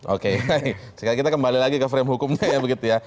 oke baik sekarang kita kembali lagi ke frame hukumnya ya begitu ya